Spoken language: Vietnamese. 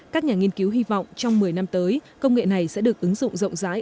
các nhà nghiên cứu hy vọng trong một mươi năm tới công nghệ này sẽ được ứng dụng rộng rãi